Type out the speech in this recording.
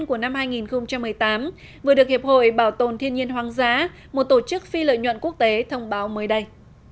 khám phá ấn tượng đầu tiên của năm hai nghìn một mươi tám vừa được hiệp hội bảo tồn thiên nhiên hoàng giá một tổ chức phi lợi nhuận quốc tế thông báo mới đây